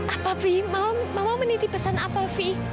apa fi mama meniti pesan apa fi